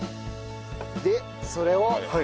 でそれを。